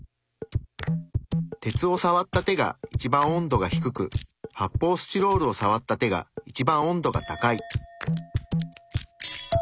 鉄をさわった手が一番温度が低く発泡スチロールをさわった手が一番温度が高い。